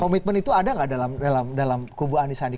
komitmen itu ada gak dalam kubu anies anie